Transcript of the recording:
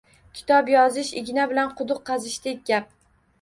Kitob yozish igna bilan quduq qazishdek gap.